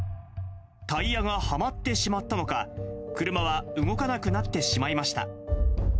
タイヤがはまってしまったのか、車は動かなくなってしまいました。